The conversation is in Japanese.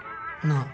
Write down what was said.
なあ